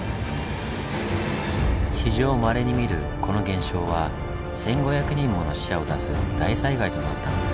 史上まれに見るこの現象は１５００人もの死者を出す大災害となったんです。